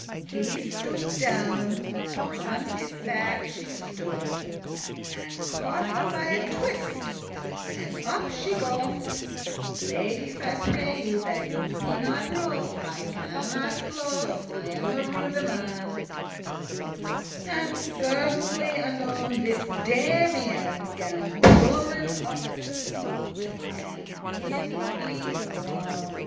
He stooped down, and on his back she stood, And caught her by a twist,* and up she go'th. *twig, bough (Ladies, I pray you that ye be not wroth, I cannot glose,* I am a rude man): *mince matters And suddenly anon this Damian Gan pullen up the smock, and in he throng.